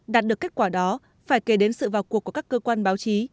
đạt được kết quả đó phải kể đến sự vào cuộc của các cơ quan báo chí